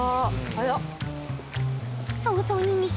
早っ。